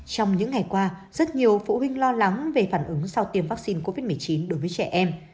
trong những ngày qua rất nhiều phụ huynh lo lắng về phản ứng sau tiêm vaccine covid một mươi chín đối với trẻ em